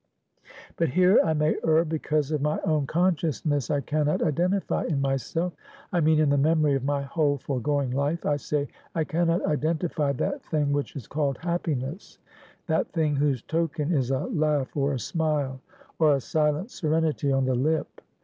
"But here I may err, because of my own consciousness I can not identify in myself I mean in the memory of my whole foregoing life, I say, I can not identify that thing which is called happiness; that thing whose token is a laugh, or a smile, or a silent serenity on the lip.